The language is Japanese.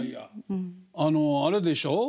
あのあれでしょ？